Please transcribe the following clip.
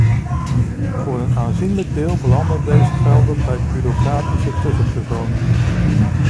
Voor een aanzienlijke deel belanden deze gelden bij bureaucratische tussenpersonen.